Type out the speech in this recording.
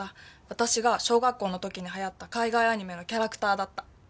私が小学校の時にはやった海外アニメのキャラクターだった。